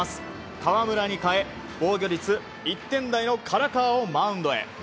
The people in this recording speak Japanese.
河村に代え防御率１点台の唐川をマウンドへ。